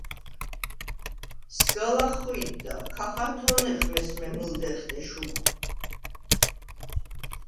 სგა ლახხვი̄დდა, ქა ხათო̄ნეხ მესმე მჷლდეღთე შუკვ.